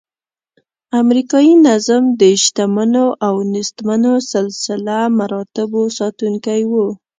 امریکایي نظم د شتمنو او نیستمنو سلسله مراتبو ساتونکی و.